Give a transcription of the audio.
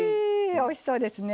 おいしそうですね。